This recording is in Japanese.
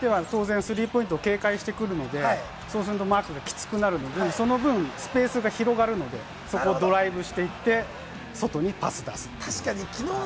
相手は当然スリーポイントを警戒してくるので、そうするとマークがきつくなるので、その分スペースが広がるので、そこをドライブしていって外にパス出す。